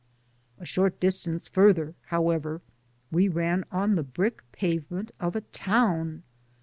A short distance further, however, we ran on the brick pavement of a town.